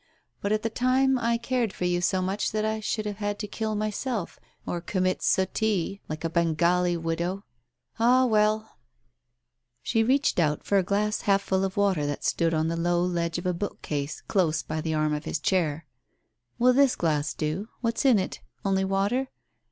"But at the time I cared for you so much that I should have had to kill myself, or commit suttee like a Bengali widow. Ah, well !" She reached out for a glass half full of water that stood on the low ledge of a bookcase close by the arm of his chair. ... "Will this glass do? What's in it? Only water?